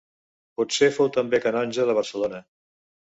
Potser fou també canonge de Barcelona.